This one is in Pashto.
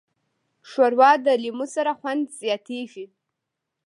ښوروا د لیمو سره خوند زیاتیږي.